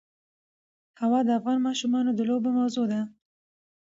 هوا د افغان ماشومانو د لوبو موضوع ده.